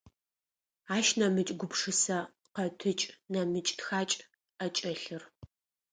Ащ нэмыкӏ гупшысэ къэтыкӏ, нэмыкӏ тхакӏ ӏэкӏэлъыр.